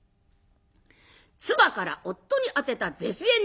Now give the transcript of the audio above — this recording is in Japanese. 妻から夫に宛てた絶縁状。